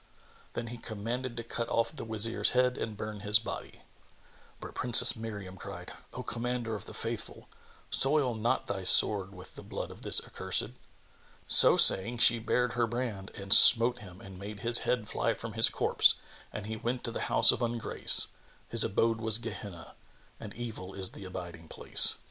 Then he commanded to cut off the Wazir's head and burn his body; but Princess Miriam cried, "O Commander of the Faithful, soil not thy sword with the blood of this accursed." So saying, she bared her brand and smote him and made his head fly from his corpse, and he went to the house of ungrace; his abode was Gehenna, and evil is the abiding place.